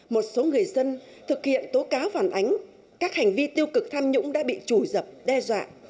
một số người dân thực hiện tố cáo phản ánh các hành vi tiêu cực tham nhũng đã bị trù dập đe dọa